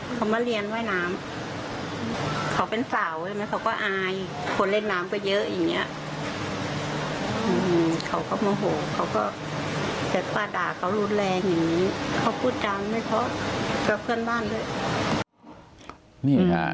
เขาพูดจางไม่เพราะเพื่อนบ้านด้วย